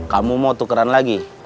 kamu mau tukeran lagi